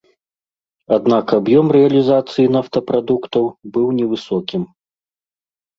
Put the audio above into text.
Аднак аб'ём рэалізацыі нафтапрадуктаў быў невысокім.